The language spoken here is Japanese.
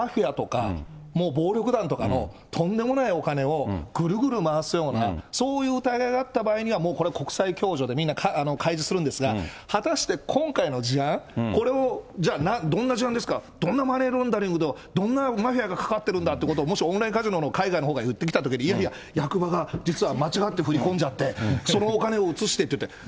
ただね、マネーロンダリングというのはどういうことかといったら、もう本当に、マフィアとか、もう暴力団とかの、とんでもないお金を、ぐるぐる回すようなそういう疑いがあった場合には、もう、これ国際共助で、みんな開示するんですが、果たして今回の事案、これを、どんな事案ですか、どんなマネーロンダリングで、どんなマフィアが関わってるんだということをもし、オンラインカジノが言ってきたときに、いやいや、役場が実は間違って振り込んじゃって、そのお金を移してって言って。